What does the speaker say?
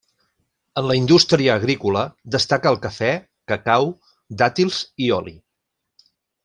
En la indústria agrícola destaca el cafè, cacau, dàtils i oli.